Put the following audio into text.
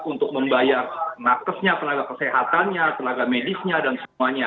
untuk membayar nakesnya tenaga kesehatannya tenaga medisnya dan semuanya